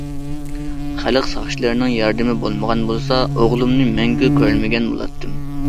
خەلق ساقچىلىرىنىڭ ياردىمى بولمىغان بولسا، ئوغلۇمنى مەڭگۈ كۆرەلمىگەن بولاتتىم.